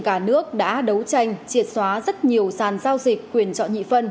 cả nước đã đấu tranh triệt xóa rất nhiều sàn giao dịch quyền chọn nhị phân